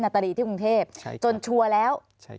ตรีที่กรุงเทพจนชัวร์แล้ว